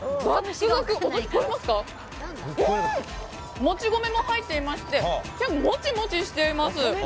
もち米も入っていまして結構モチモチしています。